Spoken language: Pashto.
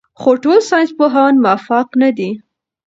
خو ټول ساینسپوهان موافق نه دي.